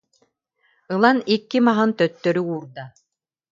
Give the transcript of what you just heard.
» Ылан икки маһын төттөрү уурда